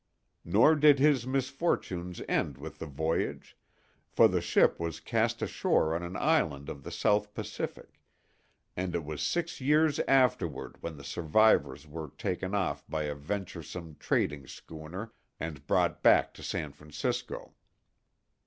Nor did his misfortunes end with the voyage; for the ship was cast ashore on an island of the South Pacific, and it was six years afterward when the survivors were taken off by a venturesome trading schooner and brought back to San Francisco.